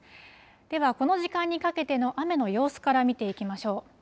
では、この時間にかけての雨の様子から見ていきましょう。